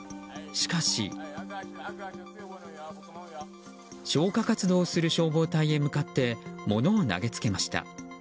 しかし、消火活動をする消防隊へ向かって物を投げつけました。